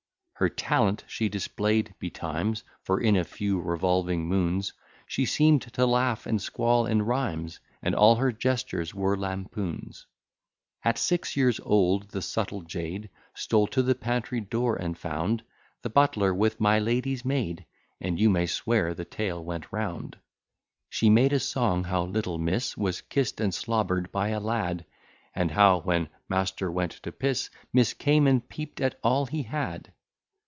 Her talent she display'd betimes; For in a few revolving moons, She seem'd to laugh and squall in rhymes, And all her gestures were lampoons. At six years old, the subtle jade Stole to the pantry door, and found The butler with my lady's maid: And you may swear the tale went round. She made a song, how little miss Was kiss'd and slobber'd by a lad: And how, when master went to p , Miss came, and peep'd at all he had.